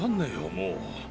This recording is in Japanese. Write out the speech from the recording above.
もう。